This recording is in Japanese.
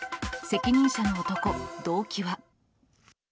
責任者の男、動機は。